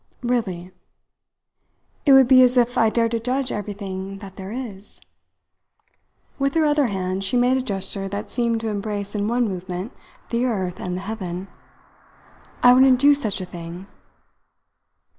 "Really?" "It would be as if I dared to judge everything that there is." With her other hand she made a gesture that seemed to embrace in one movement the earth and the heaven. "I wouldn't do such a thing."